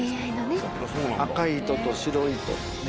赤い糸と白い糸。